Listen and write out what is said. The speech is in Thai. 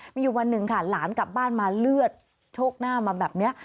มีอยู่วันหนึ่งค่ะหลานกลับบ้านมาเลือดโชคหน้ามาแบบนี้